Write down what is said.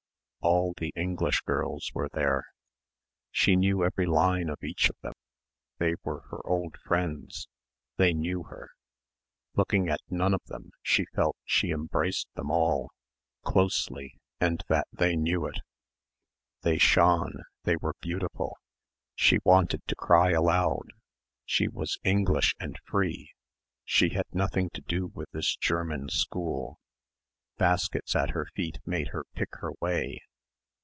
All the English girls were there. She knew every line of each of them. They were her old friends. They knew her. Looking at none of them she felt she embraced them all, closely, and that they knew it. They shone. They were beautiful. She wanted to cry aloud. She was English and free. She had nothing to do with this German school. Baskets at her feet made her pick her way.